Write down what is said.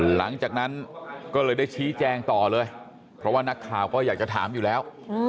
หลังจากนั้นก็เลยได้ชี้แจงต่อเลยเพราะว่านักข่าวก็อยากจะถามอยู่แล้ว